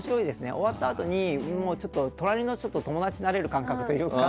終わったあとに、隣の人と友達になれる感覚というか。